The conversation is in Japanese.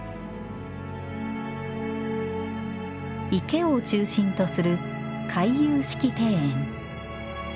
池を中心とする回遊式庭園。